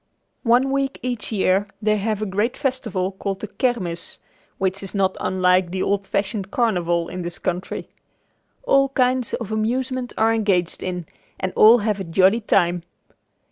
One week each year they have a great festival called the "Kermis," which is not unlike the old fashioned carnival in this country. All kinds of amusements are engaged in and all have a jolly time.